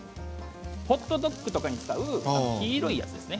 ホットドッグとかに使う黄色いやつですね。